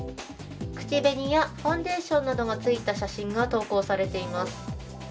口紅やファンデーションなどがついたものが投稿されています。